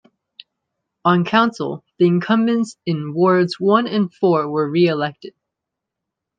On Council, the incumbents in wards one and four were re-elected.